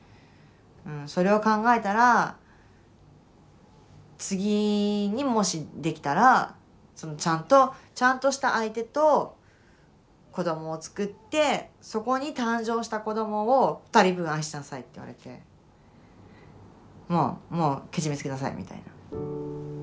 それを考えたら次にもしできたらちゃんとした相手と子どもをつくってそこに誕生した子どもを２人分愛しなさい」って言われて「もうけじめつけなさい」みたいな。